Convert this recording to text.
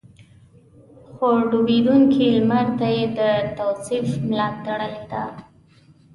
خو ډوبېدونکي لمر ته يې د توصيف ملا تړلې ده.